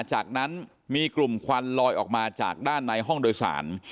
จากนั้นมีกลุ่มควันลอยออกมาจากด้านในห้องโดยสาร